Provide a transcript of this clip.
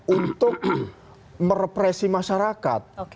untuk merepresi masyarakat